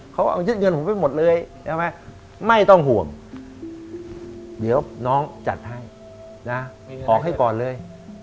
เขาเอายึดเงินผมไปหมดเลยใช่ไหมไม่ต้องห่วงเดี๋ยวน้องจัดให้นะออกให้ก่อนเลย